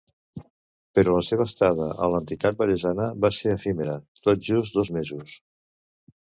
Però la seva estada a l'entitat vallesana va ser efímera, tot just dos mesos.